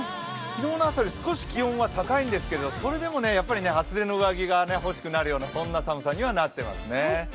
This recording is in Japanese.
昨日の朝より少し気温は高いんですけどそれでもやっぱり厚手の上着が欲しくなるような寒さになってます。